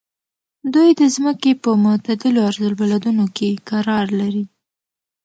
دوی د ځمکې په معتدلو عرض البلدونو کې قرار لري.